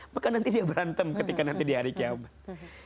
maka nanti dia berantem ketika nanti di hari kiamat